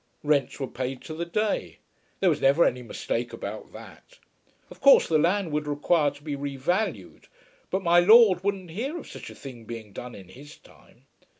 Rents were paid to the day. There was never any mistake about that. Of course the land would require to be re valued, but "My Lord" wouldn't hear of such a thing being done in his time.